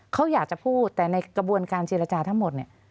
เขาอยากจะพูดแต่ในกระบวนการเจรจาทั้งหมดเนี่ย